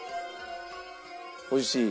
おいしい？